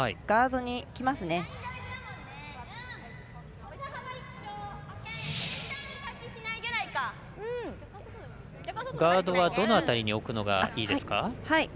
ガードは、どの辺りに置くのがいいですか？